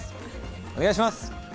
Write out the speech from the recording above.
お願いします。